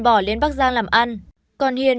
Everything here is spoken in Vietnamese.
bỏ lên bắc giang làm ăn còn hiền